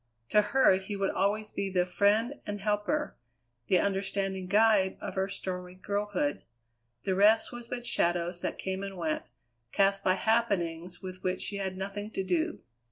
To her he would always be the friend and helper, the understanding guide of her stormy girlhood. The rest was but shadows that came and went, cast by happenings with which she had nothing to do.